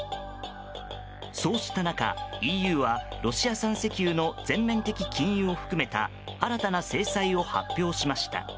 そうした中、ＥＵはロシア産石油の全面的禁輸を含めた新たな制裁を発表しました。